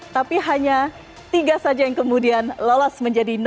tapi hanya tiga saja yang kemudian lolos menjadi